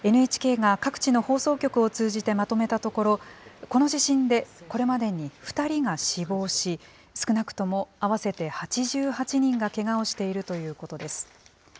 ＮＨＫが各地の放送局を通じてまとめたところ、この地震で、これまでに２人が死亡し、少なくとも合わせて８８人がけがをしているということです。